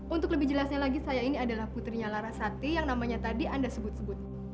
untuk lebih jelasnya lagi saya ini adalah putrinya larasati yang namanya tadi anda sebut sebut